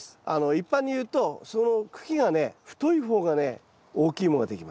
一般に言うとその茎がね太い方がね大きい芋ができます。